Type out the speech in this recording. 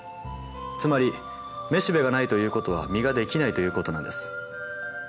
つまりめしべがないということは実ができないということなんです。